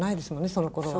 そのころは。